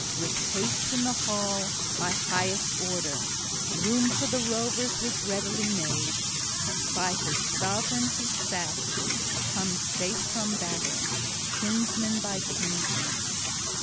With haste in the hall, by highest order, room for the rovers was readily made. By his sovran he sat, come safe from battle, kinsman by kinsman.